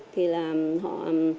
thì là họ